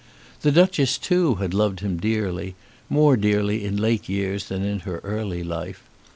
The Duchess, too, had loved him dearly, more dearly in late years than in her early life.